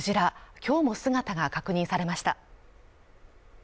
今日も姿が確認されました